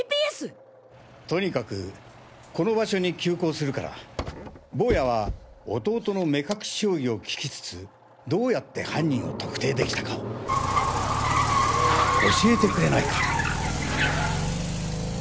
とにかくこの場所に急行するからボウヤは弟の目隠し将棋を聞きつつどうやって犯人を特定できたかを教えてくれないか？